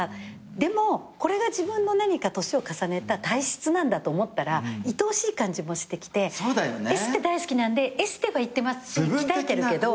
でもこれが自分の何か年を重ねた体質なんだと思ったらいとおしい感じもしてきてエステ大好きなんでエステは行ってますけど。